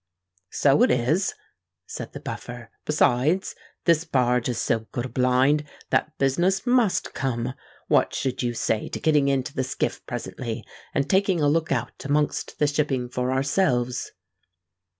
"So it is," said the Buffer. "Besides, this barge is so good a blind, that business must come. What should you say to getting into the skiff presently, and taking a look out amongst the shipping for ourselves?"